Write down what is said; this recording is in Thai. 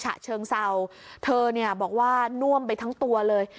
ฉะเชิงเศร้าเธอเนี่ยบอกว่าน่วมไปทั้งตัวเลย